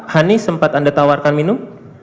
hani sempat anda tawarkan minum